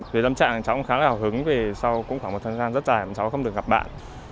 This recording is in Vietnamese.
về lâm trạng cháu cũng khá là hào hứng vì sau cũng khoảng một thời gian rất dài cháu không được gặp bạn